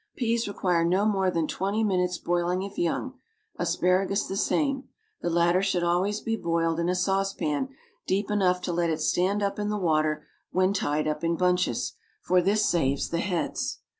Peas require no more than twenty minutes' boiling if young; asparagus the same; the latter should always be boiled in a saucepan deep enough to let it stand up in the water when tied up in bunches, for this saves the heads.